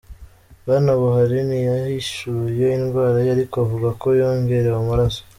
Bwana Buhari ntiyahishuye indwara ye ariko avuga ko yongerewe amaraso.